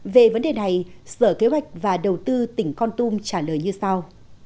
về vấn đề này sở kế hoạch và đầu tư tỉnh con tum trả lời như sau